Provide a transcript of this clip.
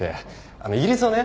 あのイギリスはね